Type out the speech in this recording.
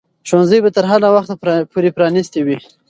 ښوونځي به تر هغه وخته پورې پرانیستي وي.